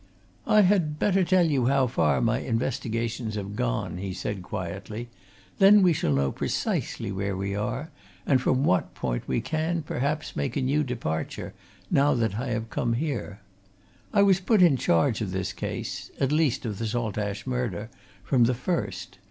"I had better tell you how far my investigations have gone," he said quietly. "Then we shall know precisely where we are, and from what point we can, perhaps, make a new departure, now that I have come here. I was put in charge of this case at least of the Saltash murder from the first.